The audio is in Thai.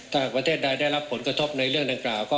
ถ้าประเทศใดได้รับผลกระทบในเรื่องดังกล่าว